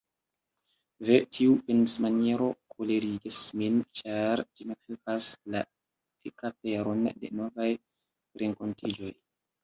Ve, tiu pensmaniero kolerigas min, ĉar ĝi malhelpas la ekaperon de novaj renkontiĝoj.